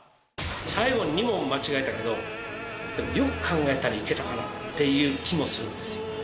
最後の２問間違えたけどでもよく考えたら行けたかなっていう気もするんですよ。